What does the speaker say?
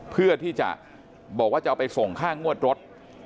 เพื่อที่จะบอกว่าจะเอาไปส่งค่างวดรถ